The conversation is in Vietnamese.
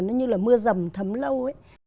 nó như là mưa rầm thấm lâu